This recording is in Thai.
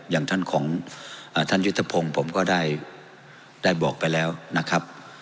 อย่างท่านของท่านยุทธพงศ์ผมก็ได้บอกไปแล้วนะครับ